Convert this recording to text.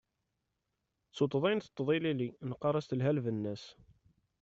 D tuṭṭḍa i nteṭṭeḍ ilili, neqqar-as telha lbenna-s.